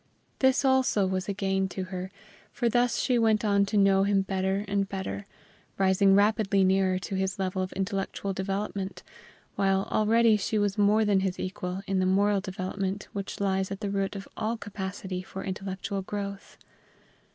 This also was a gain to her, for thus she went on to know him better and better, rising rapidly nearer to his level of intellectual development, while already she was more than his equal in the moral development which lies at the root of all capacity for intellectual growth.